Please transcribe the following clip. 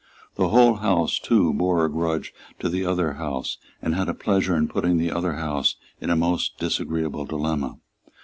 The whole House too bore a grudge to the other House, and had a pleasure in putting the other House in a most disagreeable dilemma.